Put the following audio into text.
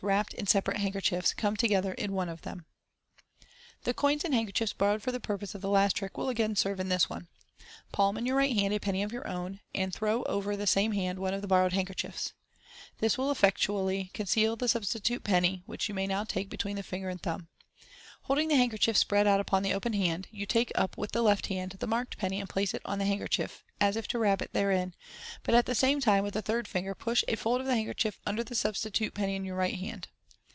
WRAPPED IN SEPARATE HANDKER CHIEFS, come together in one of them. — The coins and handker chiefs borrowed for the purpose of the last trick will again serve in this one. Palm in your right hand a penny of your own, and throw over th< • This takes it out of the range of hh eyes, and prevents his indulging any desire lor a premature examination of the contents. MODERN MAGIC. 165 same hand one of the borrowed handkerchiefs. This will effectually conceal the substitute penny, which you may now take between the finger and thumb. Holding the handkerchief spread out upon the open hand, you take up with the left hand the marked penny and place it on the handkerchief, as if to wrap it therein, but at the same time with the third finger push a fold of the handkerchief under the substitute penny in your right hand.